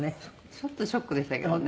ちょっとショックでしたけどね。